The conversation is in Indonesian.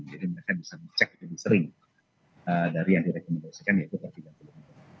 jadi mereka bisa cek lebih sering dari yang direkomendasikan yaitu perhitungan tidur